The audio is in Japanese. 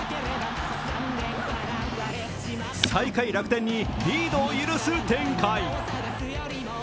最下位・楽天にリードを許す展開。